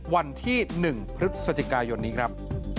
วันที่๑พฤศจิกายนนี้ครับ